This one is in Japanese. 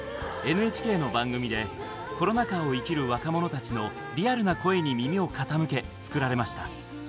ＮＨＫの番組でコロナ禍を生きる若者たちのリアルな声に耳を傾け作られました。